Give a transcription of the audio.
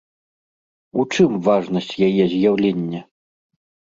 У чым важнасць яе з'яўлення?